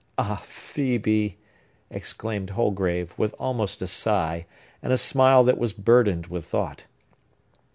"Ah, Phœbe!" exclaimed Holgrave, with almost a sigh, and a smile that was burdened with thought.